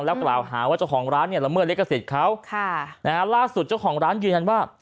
แล้วกล่าวหาว่าเจ้าของร้านเนี่ยละเมิดลิขสิทธิ์เขาค่ะนะฮะล่าสุดเจ้าของร้านยืนยันว่า